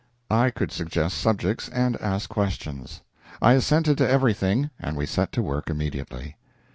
I could suggest subjects and ask questions. I assented to everything, and we set to work immediately.